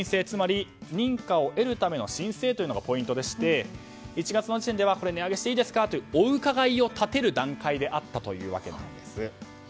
つまり、認可を得るための申請というのがポイントでして１月の時点では値上げしていいですかというお伺いを立てる段階であったということです。